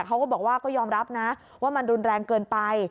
เขาก็บอกว่าก็ยอมรับนะว่ามันรุนแรงเกินไป